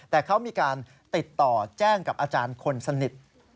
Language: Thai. แต่เขามีการติดต่อแจ้งกับอาจารย์คนสนิท